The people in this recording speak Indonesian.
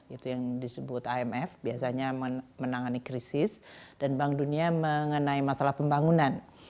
itu yang disebut imf biasanya menangani krisis dan bank dunia mengenai masalah pembangunan